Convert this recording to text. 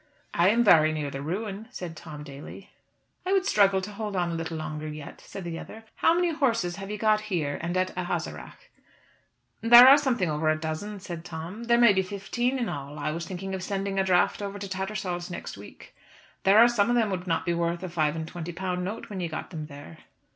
"I am very near the ruin," said Tom Daly. "I would struggle to hold on a little longer yet," said the other. "How many horses have you got here and at Ahaseragh?" "There are something over a dozen," said Tom. "There may be fifteen in all. I was thinking of sending a draught over to Tattersall's next week. There are some of them would not be worth a five and twenty pound note when you got them there!"